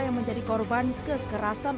yang menjadi korban kekerasan